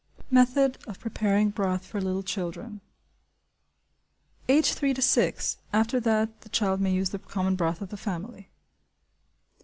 Method of Preparing Broth for Little Children. (Age three to six; after that the child may use the common broth of the family.)